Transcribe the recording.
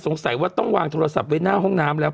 สงสัยว่าต้องวางโทรศัพท์ไว้หน้าห้องน้ำแล้ว